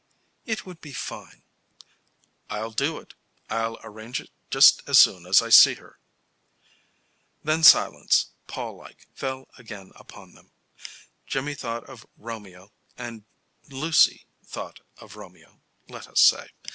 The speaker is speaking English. "It would be fine." "I'll do it. I'll arrange it just as soon as I see her." Then silence, pall like, fell again upon them. Jimmy thought of Romeo, and Lucy thought of Romeo, let us say.